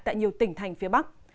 tại nhiều tỉnh thành phía bắc